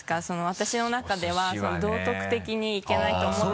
私の中では道徳的にいけないと思ってて。